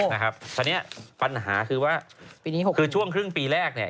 นะครับตอนเนี้ยปัญหาคือว่าปีนี้หกคือช่วงครึ่งปีแรกเนี่ย